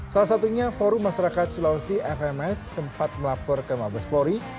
salah satunya forum masyarakat sulawesi fms sempat melapor ke mabespori